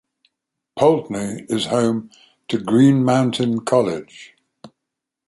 Poultney is home to Green Mountain College.